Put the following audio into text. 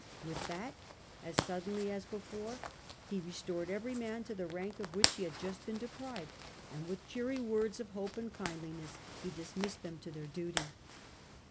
With that, as suddenly as before, he restored every one to the rank of which he had just been deprived, and with cheery words of hope and kindliness he dismissed them to their duty.